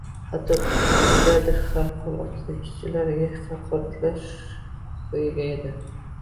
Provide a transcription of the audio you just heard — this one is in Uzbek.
Hatto brigadir ham qo‘l ostidagi ishchilarni haqoratlash “huquqi”ga ega edi